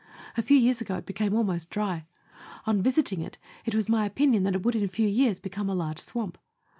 A few years ago it became almost dry. On visiting it, it was my opinion that it would in a few years be come a large swamp.